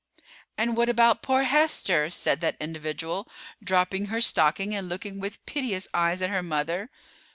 "And what about poor Hester?" said that individual, dropping her stocking and looking with piteous eyes at her mother.